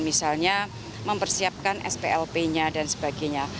misalnya mempersiapkan splp nya dan sebagainya